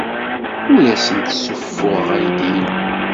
Ur asen-d-ssuffuɣeɣ aydi-inu.